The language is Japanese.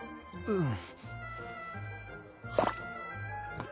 うん！